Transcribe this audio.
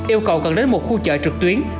yêu cầu cần đến một khu chợ trực tuyến